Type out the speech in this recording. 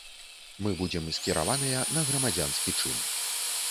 Мы будзем скіраваныя на грамадзянскі чын.